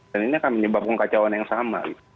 dan ini akan menyebabkan kekacauan yang sama